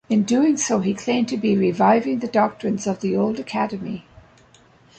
In doing so, he claimed to be reviving the doctrines of the Old Academy.